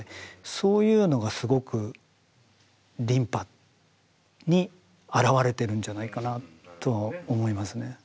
そういうのがすごく琳派に表れてるんじゃないかなとは思いますね。